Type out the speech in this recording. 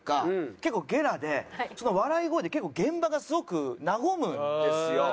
結構ゲラでその笑い声で結構現場がすごく和むんですよ。